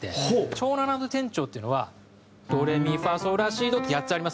長７度転調っていうのは「ドレミファソラシド」って８つありますね。